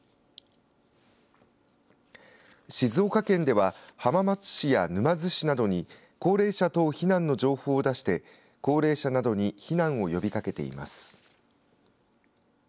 静岡県では浜松市や沼津市などに高齢者等避難の情報を出して高齢者などに避難を呼びかけています。